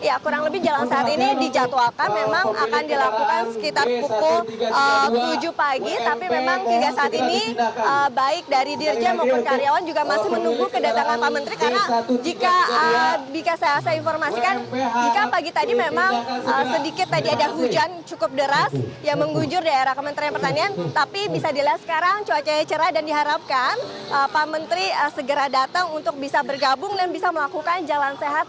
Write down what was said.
ya kurang lebih jalan sehat ini dijadwalkan memang akan dilakukan sekitar pukul tujuh pagi tapi memang jika saat ini baik dari dirja maupun karyawan juga masih menunggu kedatangan pak menteri karena jika saya informasikan jika pagi tadi memang sedikit tadi ada hujan cukup deras yang mengunjur daerah kementerian pertanian tapi bisa dilihat sekarang cuaca cerah dan diharapkan pak menteri segera datang untuk bisa bergabung dan bisa melakukan jalan sehat